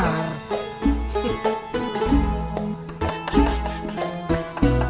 seneng banget dong